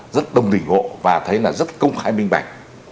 rất đồng tình hộ và thấy là rất công khai minh bạch